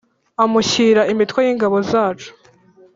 Amushyira imitwe y ‘ingabo zacu .